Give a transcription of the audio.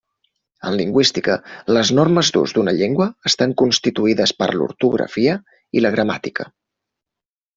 En lingüística, les normes d'ús d'una llengua estan constituïdes per l'ortografia i la gramàtica.